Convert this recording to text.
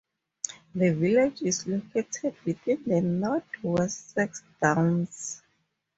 The Village is located within the North Wessex Downs.